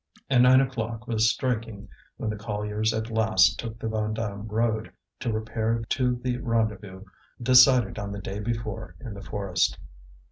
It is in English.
And nine o'clock was striking when the colliers at last took the Vandame road, to repair to the rendezvous decided on the day before in the forest.